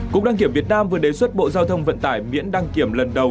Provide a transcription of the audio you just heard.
cục đăng kiểm việt nam vừa đề xuất bộ giao thông vận tải miễn đăng kiểm lần đầu